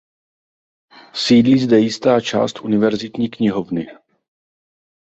Sídlí zde jistá část Univerzitní knihovny.